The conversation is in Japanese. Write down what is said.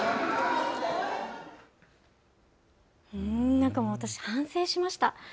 なんかもう、私、反省しました。